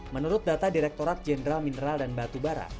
menurut data direktorat jenderal mineral dan batu barat